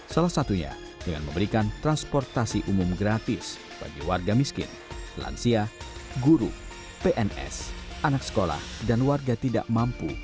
salah satunya dengan memberikan transportasi umum gratis bagi warga miskin lansia guru pns anak sekolah dan warga tidak mampu